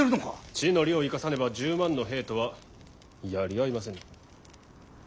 地の利を生かさねば１０万の兵とはやり合えませぬ。